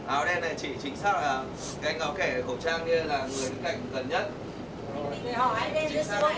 anh có bằng chứng không